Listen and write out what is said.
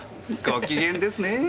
ご機嫌ですね課長。